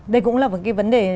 đây cũng là một cái vấn đề